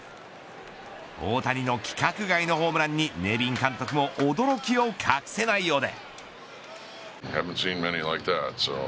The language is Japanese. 大谷の規格外のホームランにネビン監督も驚きを隠せないようで。